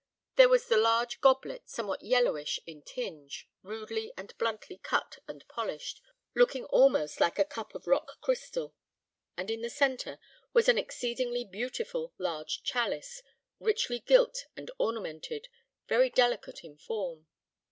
There was the large goblet, somewhat yellowish in tinge, rudely and bluntly cut and polished, looking almost like a cup of rock crystal; and in the centre was an exceedingly beautiful large chalice, richly gilt and ornamented, very delicate in form.